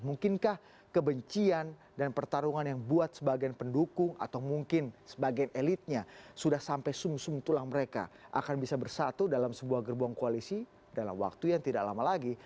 mungkinkah kebencian dan pertarungan yang buat sebagian pendukung atau mungkin sebagian elitnya sudah sampai sum sum tulang mereka akan bisa bersatu dalam sebuah gerbong koalisi dalam waktu yang tidak lama lagi